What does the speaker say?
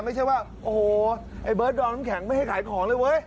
แต่ว่าโอ้โฮไอ้เบิร์ตดอลน้ำแข็งไปให้ขายของเลยเว้ย